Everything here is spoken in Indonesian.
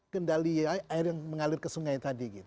kendali air yang mengalir ke sungai tadi